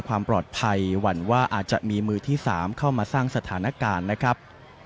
ความปลอดภัยหวั่นว่าอาจจะมีมือที่๓เข้ามาสร้างสถานการณ์นะครับ